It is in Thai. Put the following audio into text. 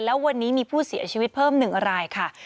แล้ววันนี้มีผู้เสียชีวิตเพิ่ม๑รายค่ะ